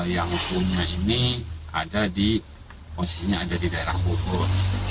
yang umumnya ini ada di posisinya ada di daerah bogor